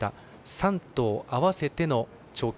３頭合わせての調教。